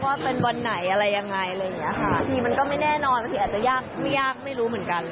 ว่าเป็นวันไหนอะไรยังไงมันก็ไม่แน่นอนอาจจะยากไม่ยากไม่รู้เหมือนกัน